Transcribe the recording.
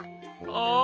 ああ。